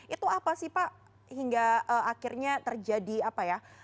itu apa sih pak hingga akhirnya terjadi apa ya